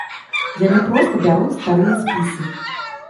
Яны проста бяруць старыя спісы.